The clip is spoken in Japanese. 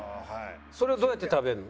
それをどうやって食べるの？